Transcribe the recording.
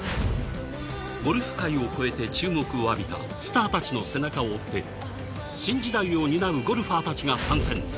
ゴルフ界を超えて注目を浴びたスターたちの背中を追って新時代を担うゴルファーたちが参戦